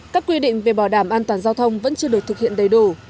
các quy định về bảo đảm an toàn giao thông vẫn chưa được thực hiện đầy đủ